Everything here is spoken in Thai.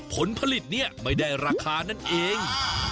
ผลผลิตเนี่ยไม่ได้ราคานั่นเอง